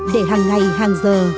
để hàng ngày hàng giờ